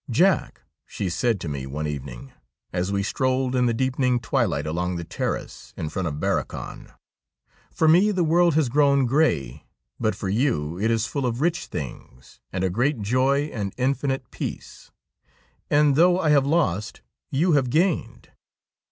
' Jack,' she said to me one evening as we strolled in the deepening twilight along the terrace in front of Barrochan, ' for me the world has grown grey, but for you it is full of rich things, and a great joy and infinite peace ; and, though I have lost, you have gained.'